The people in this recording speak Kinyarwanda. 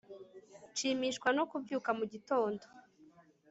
nshimishwa no kubyuka mu gitondo